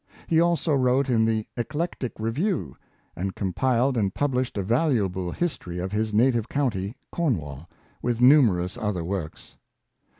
He also wrote in the " Eclectic Review," and compiled and published a valuable history of his native county, Cornwall, with numerous other works.